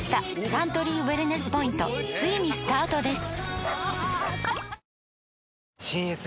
サントリーウエルネスポイントついにスタートです！